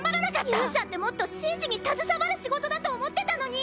勇者ってもっと神事に携わる仕事だと思ってたのに！